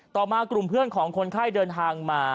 ต่อมากลุ่มเพื่อนของคนไข้เดินทางมา